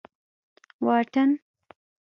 واټن